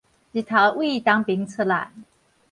日頭對東爿出來